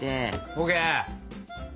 ＯＫ！